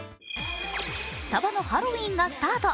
スタバのハロウィーンがスタート。